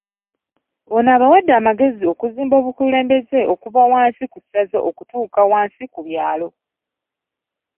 Ono abawadde amagezi okuzimba obukulembeze okuva ku ssaza okutuuka wansi ku byalo